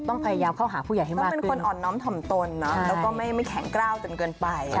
ต้องพยายามเข้าหาผู้ใหญ่ให้มากขึ้น